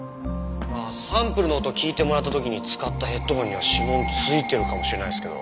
サンプルの音聞いてもらった時に使ったヘッドホンには指紋ついてるかもしれないですけど。